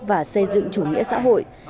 và xây dựng chủ nghĩa xã hội